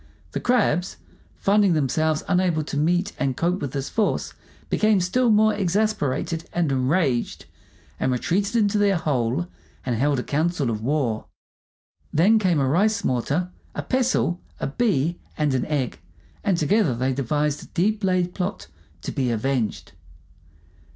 The crabs, finding themselves unable to meet and cope with this force, became still more exasperated and enraged, and retreated into their hole and held a council of war. Then came a rice mortar, a pestle, a bee, and an egg, and together they devised a deep laid plot to be avenged.